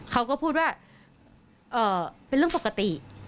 เขาก็พูดว่าเป็นเรื่องปกติ